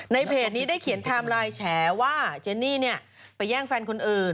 เพจนี้ได้เขียนไทม์ไลน์แฉว่าเจนี่ไปแย่งแฟนคนอื่น